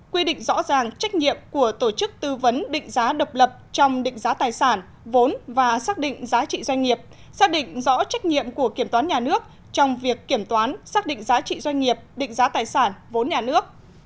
quy định rõ ràng trách nhiệm của tổ chức tư vấn định giá độc lập trong định giá tài sản vốn và xác định giá trị doanh nghiệp xác định rõ trách nhiệm của kiểm toán nhà nước trong việc kiểm toán xác định giá trị doanh nghiệp định giá tài sản vốn nhà nước